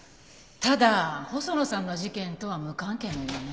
ただ細野さんの事件とは無関係のようね。